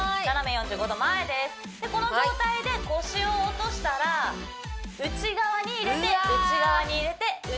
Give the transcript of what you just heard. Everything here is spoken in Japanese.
４５度前です怖いでこの状態で腰を落としたら内側に入れて内側に入れてうわ！